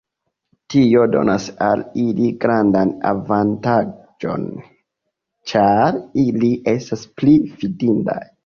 Tio donas al ili grandan avantaĝon ĉar ili estas pli fidindaj.